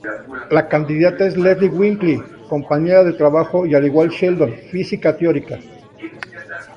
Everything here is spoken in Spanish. La candidata es Leslie Winkle, compañera de trabajo y al igual Sheldon, física teórica.